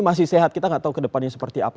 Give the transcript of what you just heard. masih sehat kita tidak tahu kedepannya seperti apa